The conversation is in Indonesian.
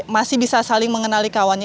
masih bisa saling mengenali kawannya